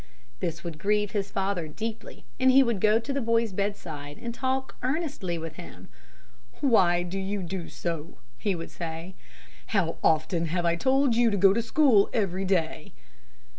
This would grieve his father deeply and he would go to the boy's bedside and talk earnestly with him. "Why do you do so?" he would say. "How often have I told you to go to school every day?"